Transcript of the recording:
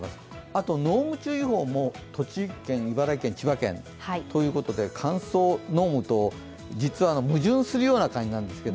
あと濃霧注意報も栃木県、茨城県、千葉県、ということで乾燥、濃霧と実は矛盾するような感じですが